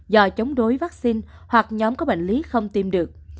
do chống đối vaccine hoặc nhóm có bệnh lý không tiêm được